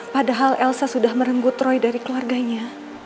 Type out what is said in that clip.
padahal elsa sudah merenggut roy dari keluarganya